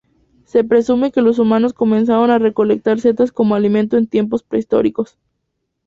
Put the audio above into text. Se presume que los humanos comenzaron a recolectar setas como alimento en tiempos prehistóricos.